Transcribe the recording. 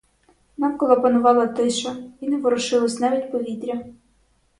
Навколо панувала тиша і не ворушилось навіть повітря.